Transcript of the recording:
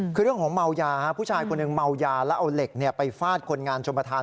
คือเรื่องของเมายาผู้ชายคนหนึ่งเมายาแล้วเอาเหล็กไปฟาดคนงานชมประธาน